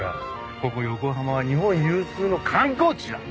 ここ横浜は日本有数の観光地だ！